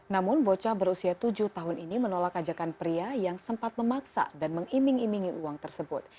namun bocah berusia tujuh tahun ini menolak ajakan pria yang sempat memaksa dan mengiming imingi uang tersebut